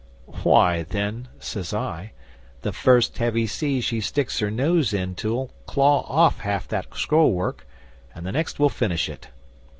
'"Why, then," says I, "the first heavy sea she sticks her nose into'll claw off half that scroll work, and the next will finish it.